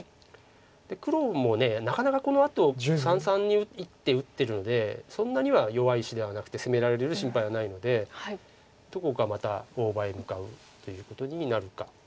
黒もなかなかこのあと三々に１手打ってるのでそんなには弱い石ではなくて攻められる心配はないのでどこかまた大場へ向かうということになるか。